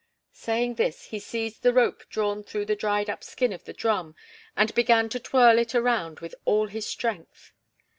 Saying this, he seized the rope drawn through the dried up skin of the drum and began to twirl it around with all his strength.